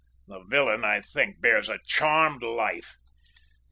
The villain, I think, bears a charmed life!"